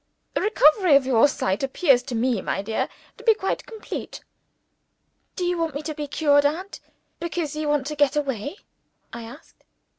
The recovery of your sight appears to me, my dear, to be quite complete." "Do you want me to be cured, aunt, because you want to get away?" I asked.